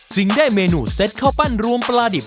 จึงได้เมนูเซ็ตข้าวปั้นรวมปลาดิบ